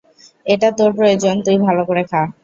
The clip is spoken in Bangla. এটা তোর প্রয়োজন তুই ভালো করে খা।